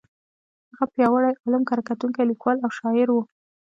هغه پیاوړی عالم، کره کتونکی، لیکوال او شاعر و.